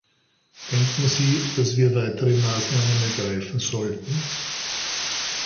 Denken Sie, dass wir weitere Maßnahmen ergreifen sollten?